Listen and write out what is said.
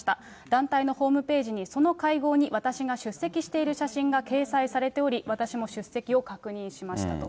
団体のホームページにその会合に私が出席している写真が掲載されており、私も出席を確認しましたと。